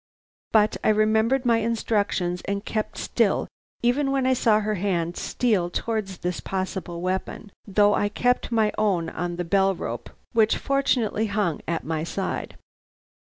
But I remembered my instructions, and kept still even when I saw her hand steal towards this possible weapon, though I kept my own on the bell rope which fortunately hung at my side.